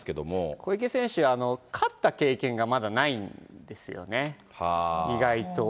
小池選手は勝った経験がまだないんですよね、意外と。